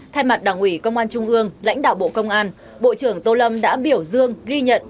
thay mặt đảng ủy công an trung ương lãnh đạo bộ công an bộ trưởng tô lâm đã biểu dương ghi nhận